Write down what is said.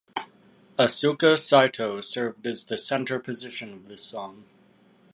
Asuka Saito served as the center position of this song.